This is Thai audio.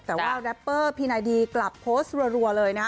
แต่ว่าแรปเปอร์พีนายดีกลับโพสต์รัวเลยนะฮะ